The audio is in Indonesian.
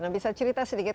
bisa cerita sedikit